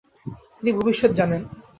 তিনি ভবিষ্যত জানেন।